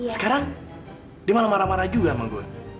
sekarang dia malah marah marah juga sama gue